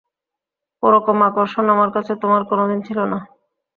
ওরকম আকর্ষণ আমার কাছে তোমার কোনোদিন ছিল না?